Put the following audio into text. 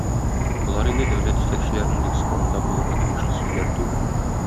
Болар инде дәүләт җитәкчеләренең лексиконында булырга тиешле сүзләр түгел.